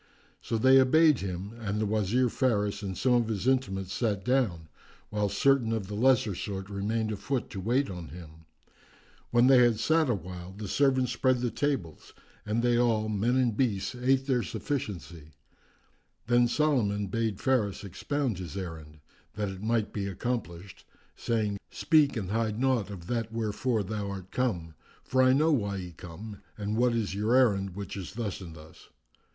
So they obeyed him and the Wazir Faris and some of his intimates sat down, whilst certain of the lesser sort remained afoot to wait on him. When they had sat awhile, the servants spread the tables and they all, men and beasts, ate their sufficiency.[FN#363] Then Solomon bade Faris expound his errand, that it might be accomplished, saying, "Speak and hide naught of that wherefor thou art come; for I know why ye come and what is your errand, which is thus and thus.